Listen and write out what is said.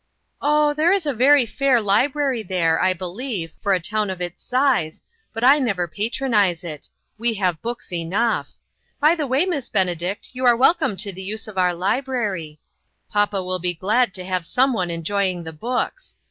" Oh, there is a very fair library there, I believe, for a town of its size, but I never patronize it ; we have books enough. By the way, Miss Benedict, you are welcome to the use of our library. Papa will be glad to have some one enjoying the books.